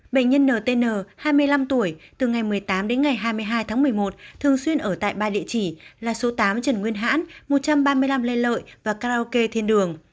bệnh nhân ntn hai mươi năm tuổi từ ngày một mươi tám đến ngày hai mươi hai tháng một mươi một thường xuyên ở tại ba địa chỉ là số tám trần nguyên hãn một trăm ba mươi năm lê lợi và karaoke thiên đường